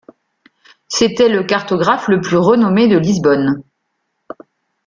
C'était le cartographe le plus renommé de Lisbonne.